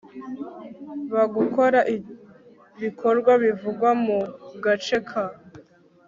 bgukora ibikorwa bivugwa mu gace ka